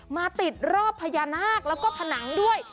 มาติดรอบพญานาคแล้วก็ผนังด้วย